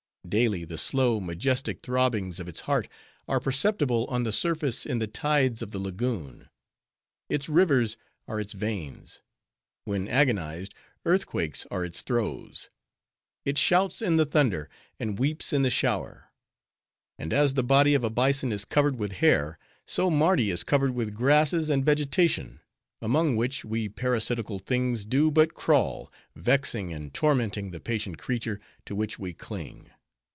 Daily the slow, majestic throbbings of its heart are perceptible on the surface in the tides of the la goon. Its rivers are its veins; when agonized, earthquakes are its throes; it shouts in the thunder, and weeps in the shower; and as the body of a bison is covered with hair, so Mardi is covered with grasses and vegetation, among which, we parasitical things do but crawl, vexing and tormenting the patient creature to which we cling.